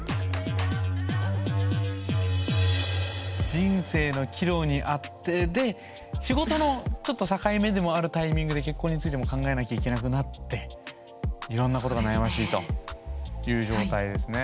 人生の岐路にあってで仕事のちょっと境目でもあるタイミングで結婚についても考えなきゃいけなくなっていろんなことが悩ましいという状態ですね。